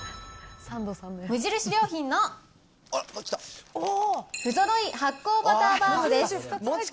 無印良品の不揃い発酵バターバウムです。